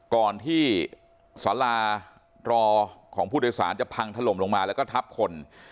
ก่อนที่สารารอของผู้โดยสารจะพังถล่มลงมาแล้วก็ทับคน